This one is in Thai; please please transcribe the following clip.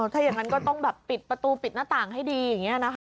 ถ้าอย่างนั้นก็ต้องแบบปิดประตูปิดหน้าต่างให้ดีอย่างนี้นะคะ